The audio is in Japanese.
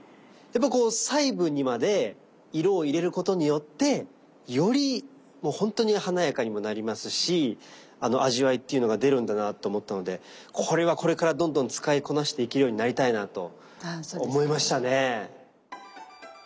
やっぱこう細部にまで色を入れることによってより本当に華やかにもなりますし味わいっていうのが出るんだなと思ったのでこれはこれからどんどん使いこなしていけるようになりたいなと思いましたね。